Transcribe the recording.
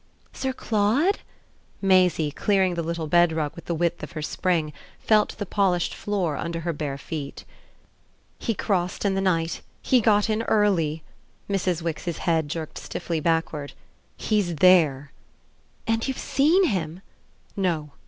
"Sir Claude?" Maisie, clearing the little bed rug with the width of her spring, felt the polished floor under her bare feet. "He crossed in the night; he got in early." Mrs. Wix's head jerked stiffly backward. "He's there." "And you've seen him?" "No.